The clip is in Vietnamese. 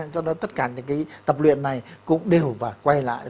cho nên tất cả những tập luyện này cũng đều quay lại